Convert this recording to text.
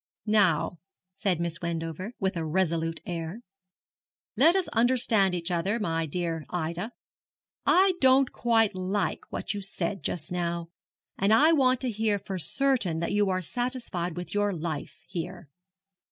'Now,' said Miss Wendover, with a resolute air, 'let us understand each other, my dear Ida. I don't quite like what you said just now; and I want to hear for certain that you are satisfied with your life here.'